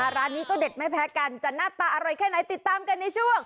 ร้านนี้ก็เด็ดไม่แพ้กันจะหน้าตาอร่อยแค่ไหนติดตามกันในช่วง